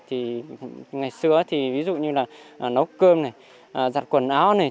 thì ngày xưa thì ví dụ như là nấu cơm này giặt quần áo này